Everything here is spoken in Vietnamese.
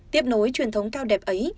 tiếp nối truyền thống cao đẹp ấy